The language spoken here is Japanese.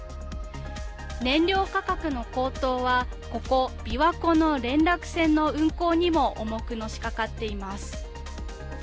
燃料価格の高騰はここ、びわ湖の連絡船の運航にも重くのしかかっています。